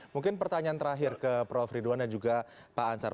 mungkin pertanyaan terakhir ke prof ridwan dan juga pak ansar